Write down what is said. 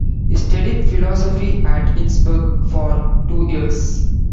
He studied philosophy at Innsbruck for two years.